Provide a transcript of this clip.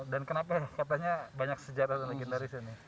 dan kenapa katanya banyak sejarah dan legendaris ini